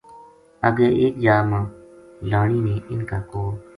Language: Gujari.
اَگے ایک جا ما لانی نے اِنھ کا کول